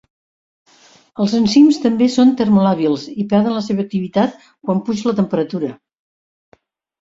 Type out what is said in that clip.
Els enzims també són termolàbils i perden la seva activitat quan puja la temperatura.